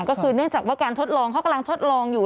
ก็คือเนื่องจากว่าการทดลองเขากำลังทดลองอยู่